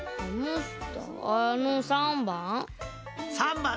あの③ばん？